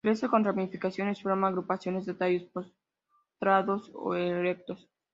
Crece con ramificaciones y forma agrupaciones de tallos postrados o erectos.